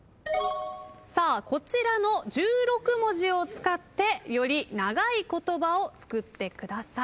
さあこちらの１６文字を使ってより長い言葉を作ってください。